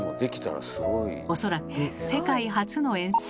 恐らく世界初の演奏。